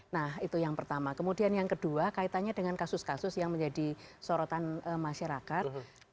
nah itu yang pertama kemudian yang kedua kaitannya dengan kasus kasus yang menjadi sorotan masyarakat